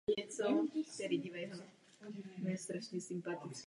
Byl postaven jako sídlo hudebního obchodu Kirka Johnsona.